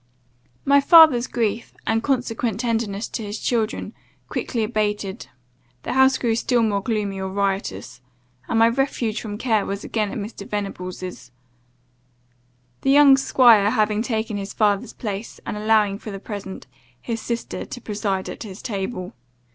"My father's grief, and consequent tenderness to his children, quickly abated, the house grew still more gloomy or riotous; and my refuge from care was again at Mr. Venables'; the young 'squire having taken his father's place, and allowing, for the present, his sister to preside at his table.